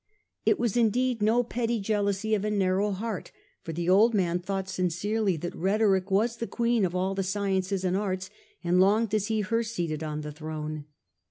It was indeed no petty jealousy of a narrow heart, for the old man thought sincerely that rhetoric was the queen of all the sciences and arts, and longed to see her seated on the throne.